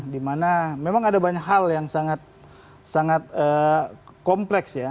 dimana memang ada banyak hal yang sangat kompleks ya